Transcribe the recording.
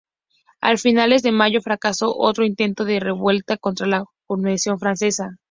A finales de mayo fracasó otro intento de revuelta contra la guarnición francesa.